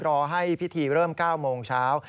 รอให้พิธีเริ่ม๙โมงเช้า